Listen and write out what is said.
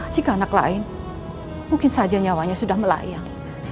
jika anak lain mungkin saja nyawanya sudah melayang